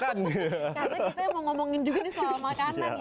karena kita mau ngomongin juga nih soal makanan ya